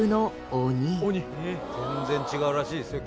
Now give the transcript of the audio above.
全然違うらしいですよ